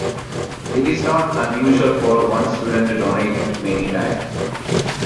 It is not unusual for one student to donate many times.